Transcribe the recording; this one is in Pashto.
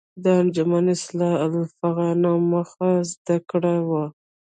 د انجمن اصلاح الافاغنه موخه زده کړه وه.